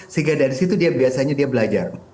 sehingga dari situ dia biasanya dia belajar